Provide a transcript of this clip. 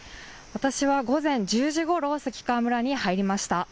私は午前１０時ごろ関川村に入りました。